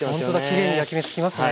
きれいに焼き目つきますね。